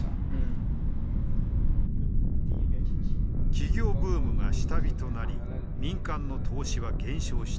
起業ブームが下火となり民間の投資は減少している。